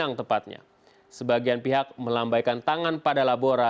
yang tepatnya sebagian pihak melambaikan tangan pada labora